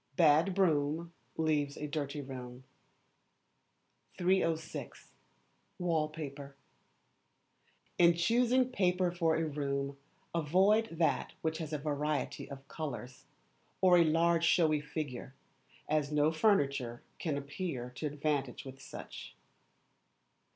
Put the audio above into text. [A BAD BROOM LEAVES A DIRTY ROOM.] 306. Wallpaper. In choosing paper for a room, avoid that which has a variety of colours, or a large showy figure, as no furniture can appear to advantage with such.